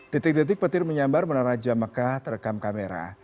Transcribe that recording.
detik detik petir menyambar menara jamakah terekam kamera